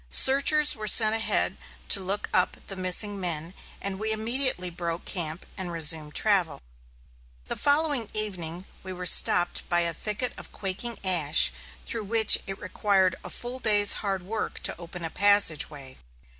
Searchers were sent ahead to look up the missing men, and we immediately broke camp and resumed travel. The following evening we were stopped by a thicket of quaking ash, through which it required a full day's hard work to open a passageway.